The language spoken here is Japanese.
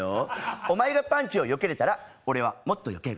お前がパンチをよけれたら、俺はもっといける。